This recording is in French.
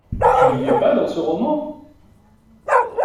Tu y es pas dans ce roman???